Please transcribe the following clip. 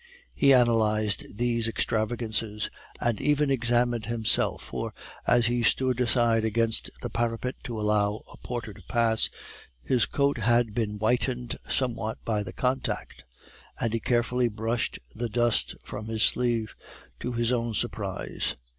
He analyzed these extravagances, and even examined himself; for as he stood aside against the parapet to allow a porter to pass, his coat had been whitened somewhat by the contact, and he carefully brushed the dust from his sleeve, to his own surprise.